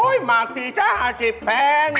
โอ๊ยหมากสีชะหาสิบแพง